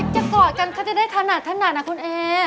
โอ๊ยจะกอดกันเค้าจะได้ถนัดนะคุณเอ